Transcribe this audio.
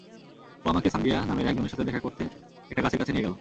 ও আমাকে সাঙ্গেয়া নামের একজনে সাথে দেখা করতে একটা গাছের কাছে নিয়ে গেল।